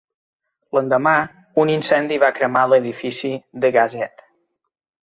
L'endemà, un incendi va cremar l'edifici "The Gazette".